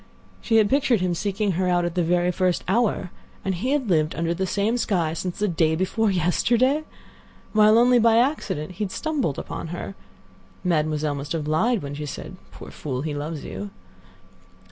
She had pictured him seeking her at the very first hour, and he had lived under the same sky since day before yesterday; while only by accident had he stumbled upon her. Mademoiselle must have lied when she said, "Poor fool, he loves you."